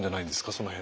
その辺。